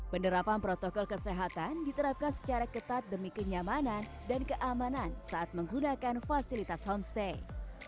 penerapan protokol kesehatan diterapkan secara ketat demi kenyamanan dan keamanan saat menggunakan fasilitas homestay